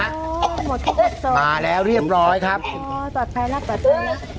หมดที่สดมาแล้วเรียบร้อยครับอ๋อต่อไปแล้วต่อไปแล้ว